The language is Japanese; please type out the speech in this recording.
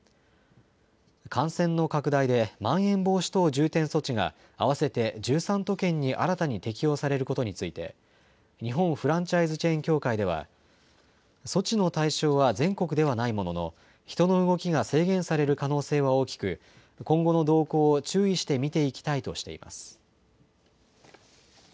感染の拡大でまん延防止等重点措置が合わせて１３都県に新たに適用されることについて、日本フランチャイズチェーン協会では、措置の対象は全国ではないものの、人の動きが制限される可能性は大きく、今後の動向を注意して見ていきたいとしています。